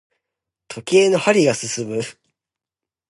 時計の針が進む。